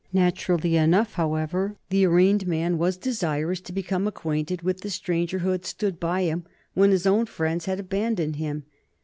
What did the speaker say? Naturally enough, however, the arraigned man was desirous to become acquainted with the stranger who had stood by him when his own friends had abandoned him.